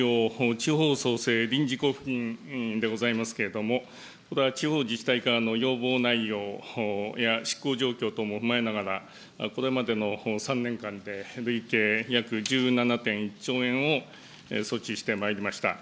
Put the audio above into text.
地方創生臨時交付金でございますけれども、これは地方自治体からの要望内容や、執行状況等も踏まえながら、これまでの３年間で累計約１７．１兆円を措置してまいりました。